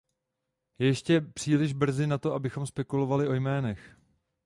Je ještě příliš brzy na to, abychom spekulovali o jménech.